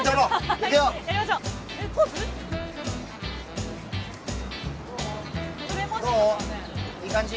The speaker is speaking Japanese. いい感じ？